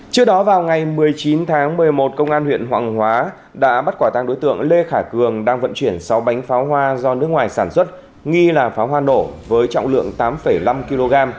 trước đó vào ngày một mươi chín tháng một mươi một công an huyện hoàng hóa đã bắt quả tăng đối tượng lê khả cường đang vận chuyển sáu bánh pháo hoa do nước ngoài sản xuất nghi là pháo hoa nổ với trọng lượng tám năm kg